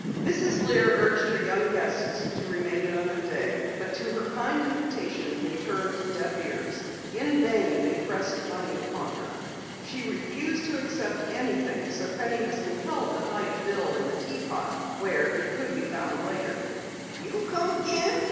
Mrs. Lear urged her young guests to remain another day, but to her kind invitation they turned deaf ears. In vain they pressed money upon her. She refused to accept anything so Penny was compelled to hide a bill in the teapot where it would be found later. "You'll come again?"